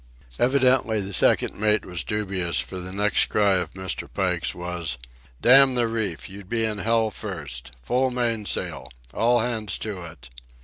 Evidently the second mate was dubious, for the next cry of Mr. Pike's was: "Damn the reef! You'd be in hell first! Full mainsail! All hands to it!"